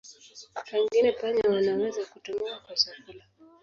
Pengine panya wanaweza kutumiwa kwa chakula.